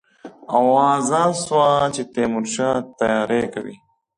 آوازه سوه چې تیمورشاه تیاری کوي.